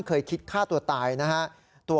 เคยคิดฆ่าตัวตายนะฮะ